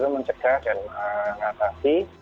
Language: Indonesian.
mencegah dan mengatasi